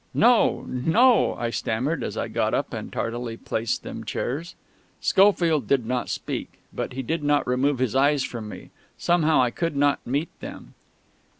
"No no ," I stammered, as I got up and tardily placed them chairs. Schofield did not speak, but he did not remove his eyes from me. Somehow I could not meet them.